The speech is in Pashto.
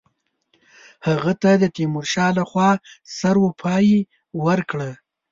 هغه ته د تیمورشاه له خوا سروپايي ورکړه.